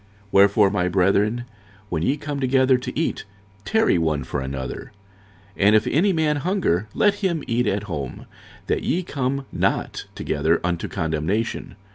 46:011:033 Wherefore, my brethren, when ye come together to eat, tarry one for another. 46:011:034 And if any man hunger, let him eat at home; that ye come not together unto condemnation.